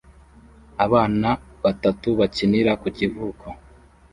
Abana batatu bakinira ku kivuko